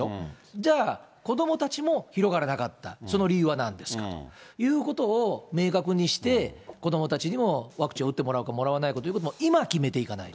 じゃあ、子どもたちも広がらなかった、その理由はなんですかということを明確にして、子どもたちにもワクチンを打ってもらうか、もらわないかということも、今、決めていかないと。